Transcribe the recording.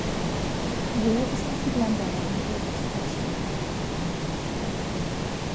So ist auch die "Blender-Lernkurve" zu verstehen.